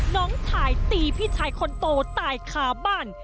น้องถ่ายตีพี่ชายคนโตตายคาบ้าน